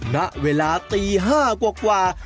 ณเวลาตี๕กว่า